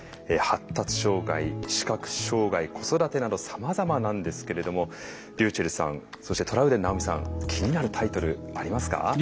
発達障害視覚障害子育てなどさまざまなんですけれどもｒｙｕｃｈｅｌｌさんそしてトラウデン直美さん気になるタイトルありますか？